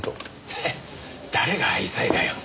ヘッ誰が愛妻だよ。